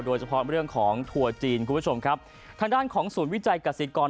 โดยเฉพาะเรื่องของทัวร์จีนคุณผู้ชมครับทางด้านของศูนย์วิจัยกษิกร